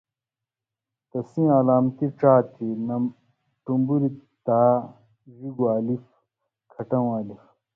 تانیثَیں علامتی ڇا تھی، ٹُمبُریۡ تا، ڙِگوۡ الف، کَھٹؤں الف ،